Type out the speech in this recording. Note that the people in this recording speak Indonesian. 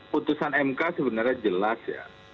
putusan mk sebenarnya jelas ya